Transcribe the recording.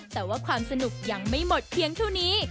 แต่ว่าความสนุกยังไม่หมดเพียงเท่านี้